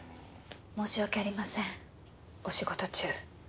申し訳ありませんお仕事中。